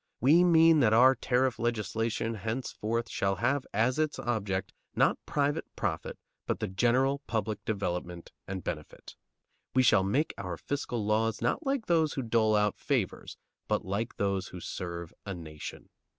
We mean that our tariff legislation henceforth shall have as its object, not private profit, but the general public development and benefit. We shall make our fiscal laws, not like those who dole out favors, but like those who serve a nation.